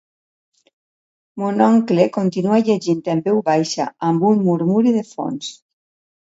Mon oncle continua llegint en veu baixa, amb un murmuri de fons.